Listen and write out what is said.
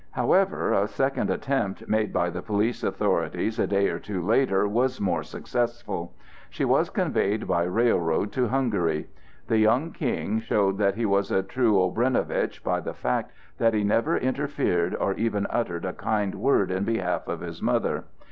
However, a second attempt made by the police authorities a day or two later was more successful. She was conveyed by railroad to Hungary. The young King showed that he was a true Obrenovitch by the fact that he never interfered or even uttered a kind word in behalf of his mother.